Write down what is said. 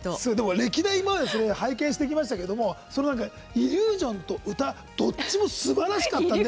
歴代、拝見してきましたがイリュージョンと歌、どっちもすばらしかったんで。